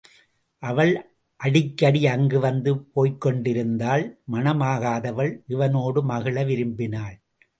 அவள் அடிக்கடி அங்கு வந்து போய்க்கொண்டிருந்தாள் மணமாகாதவள், இவனோடு மகிழ விரும்பினாள்.